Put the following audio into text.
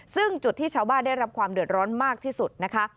ซึ่งจุดที่ชาวบ้านได้รับความเดือดร้อนมากที่สุดนะคะ